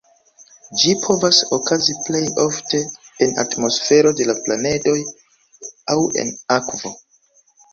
Ĝi povas okazi plej ofte en atmosfero de la planedoj aŭ en akvo.